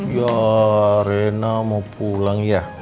ya rena mau pulang ya